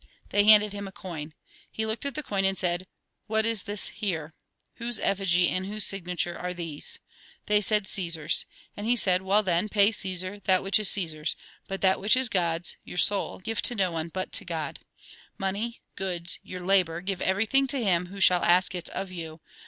They handed him a coin. lie looked at the coin, and said :" What is this here ? Whose effigy and whose signature are these ?" They said :" Ctesar's." And he said :" Well then, pay Cresar that which is Caesar's, but that which is God's, your soul, give to no one but to God." Money, goods, your labour, give everything to him who shall ask it of you.